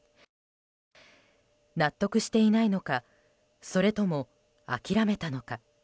納得していないのかそれとも諦めたのか。